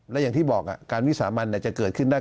และอย่างที่บอกการวิสามันจะเกิดขึ้นได้